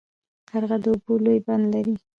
قرغه د اوبو لوی بند لري.